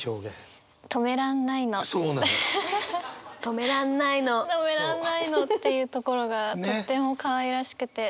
「止めらんないの」っていうところがとってもかわいらしくて。